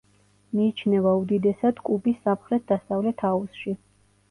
მიიჩნევა უდიდესად კუბის სამხრეთ-დასავლეთ აუზში.